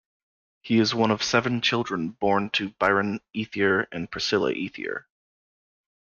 He is one of seven children born to Byron Ethier and Priscilla Ethier.